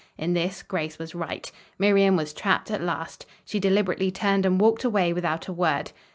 In this Grace was right. Miriam was trapped at last. She deliberately turned and walked away without a word.